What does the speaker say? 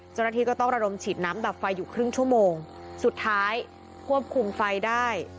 เจ้าหน้าที่ก็ต้องระดมฉีดน้ำดับไฟอยู่ครึ่งชั่วโมงสุดท้ายควบคุมไฟได้